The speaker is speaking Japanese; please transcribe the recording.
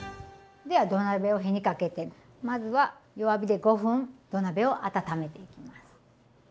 では土鍋を火にかけてまずは弱火で５分土鍋を温めていきます。